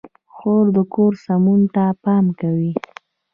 خور د کور سمون ته پام کوي.